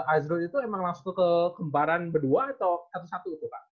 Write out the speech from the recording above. izul itu emang langsung ke kembaran berdua atau satu satu itu kak